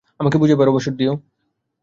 আমাকে বুঝাইবার অবসর দিও।